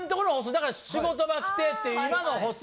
だから仕事場来てって今の歩数。